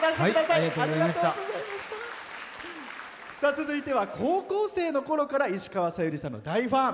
続いては高校生のころから石川さゆりさんの大ファン。